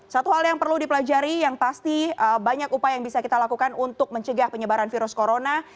satu hal yang perlu dipelajari yang pasti banyak upaya yang bisa kita lakukan untuk mencegah penyebaran virus corona